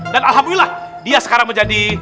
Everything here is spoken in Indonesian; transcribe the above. dan alhamdulillah dia sekarang menjadi